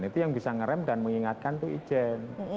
itu yang bisa ngerem dan mengingatkan itu ijen